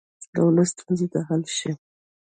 د ولس ستونزې دې حل شي.